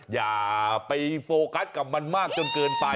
อย่าไปโฟกัสกับมันมากจนเกินไป